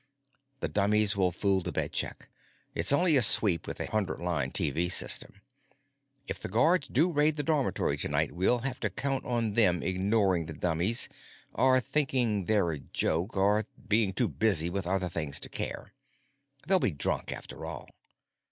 "The dummies will fool the bed check. It's only a sweep with a hundred line TV system. If the guards do raid the dormitory tonight we'll have to count on them ignoring the dummies or thinking they're a joke or being too busy with other things to care. They'll be drunk, after all.